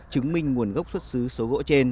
chứng minh nguồn gốc xuất xứ